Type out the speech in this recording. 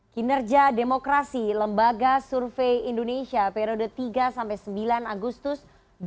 kinerja demokrasi lembaga survei indonesia periode tiga sampai sembilan agustus dua ribu dua puluh